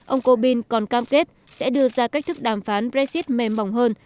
ông corbyn còn cam kết sẽ đưa ra cách thức đàm phán brexit mềm mỏng hơn